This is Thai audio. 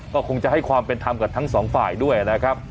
ก็คงจะให้ความเป็นธรรมกับทั้งสองฝ่ายด้วยนะครับ